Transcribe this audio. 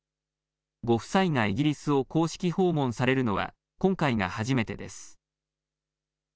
ご夫妻がイギリスを公式訪問されるのは今回が初めてです。